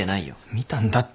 見たんだって。